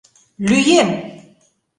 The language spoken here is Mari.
Лӱем!